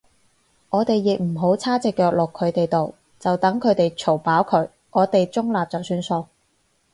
我哋亦唔好叉隻腳落佢哋度，就等佢哋嘈飽佢，我哋中立就算數